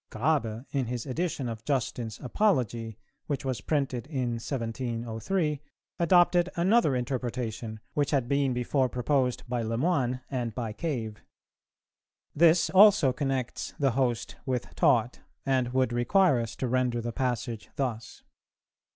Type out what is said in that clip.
Grabe, in his edition of 'Justin's Apology,' which was printed in 1703, adopted another interpretation, which had been before proposed by Le Moyne and by Cave. This also connects 'the host' with 'taught,' and would require us to render the passage thus